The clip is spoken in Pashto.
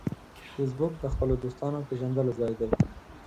فېسبوک د خپلو دوستانو پېژندلو ځای دی